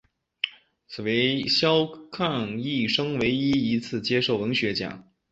此为萧沆一生唯一一次接受文学奖。